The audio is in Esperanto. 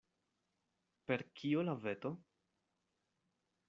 Per kio la veto?